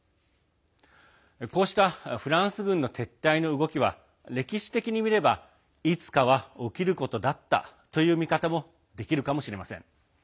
こうしたフランス軍の撤退の動きは、歴史的に見ればいつかは起きることだったという見方もできるかもしれません。